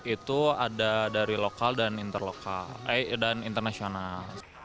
itu ada dari lokal dan internasional